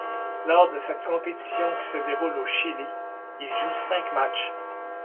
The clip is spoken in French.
Lors de cette compétition qui se déroule au Chili, il joue cinq matchs.